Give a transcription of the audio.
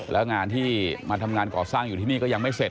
แล้วงานที่มาทำงานก่อสร้างอยู่ที่นี่ก็ยังไม่เสร็จ